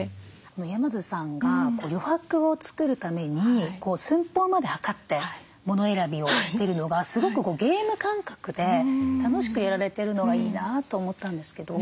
山津さんが余白を作るために寸法まで測って物選びをしてるのがすごくゲーム感覚で楽しくやられてるのがいいなと思ったんですけど。